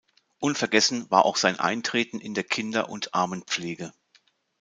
Unvergessen war auch sein Eintreten in der Kinder- und Armenpflege.